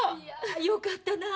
よかったなあ。